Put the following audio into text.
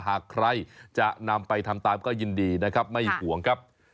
หากใครจะนำไปทำตามก็ยินดีนะครับไม่ห่วงครับ